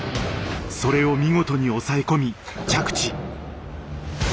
それを見事に押さえ込み着地。